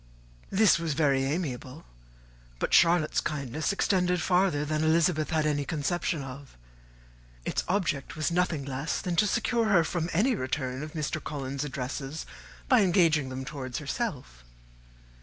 This was very amiable; but Charlotte's kindness extended farther than Elizabeth had any conception of: its object was nothing less than to secure her from any return of Mr. Collins's addresses, by engaging them towards herself.